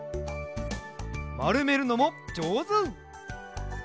まるめるのもじょうず！